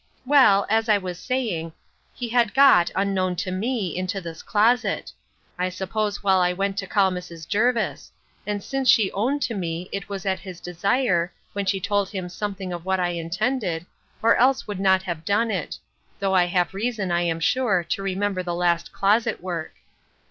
Well, as I was saying, he had got, unknown to me, into this closet; I suppose while I went to call Mrs. Jervis: and she since owned to me, it was at his desire, when she told him something of what I intended, or else she would not have done it: though I have reason, I am sure, to remember the last closet work.